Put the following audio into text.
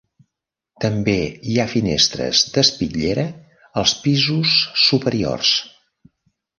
També hi ha finestres d’espitllera als pisos superiors.